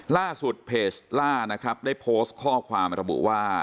ล่าสุดเพจล่านะครับได้โพสต์ข้อความระบุว่า